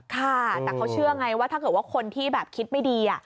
ค่ะแต่เขาเชื่อไงว่าถ้าเกิดว่าคนที่แบบคิดไม่ดี